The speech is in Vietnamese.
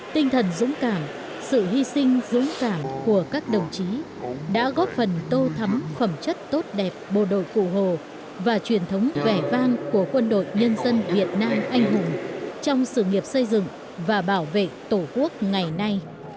tinh thần dũng cảm sự hy sinh dũng cảm của các đồng chí đã góp phần tô thắm khẩm chất tốt đẹp bộ đội cụ hồ và truyền thống vẻ vang của quân đội nhân dân việt nam anh hùng trong sự nghiệp xây dựng và bảo vệ tổ quốc ngày nay